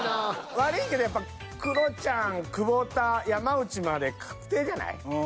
悪いけどやっぱりクロちゃん久保田山内まで確定じゃない？